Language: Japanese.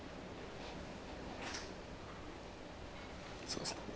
そうですね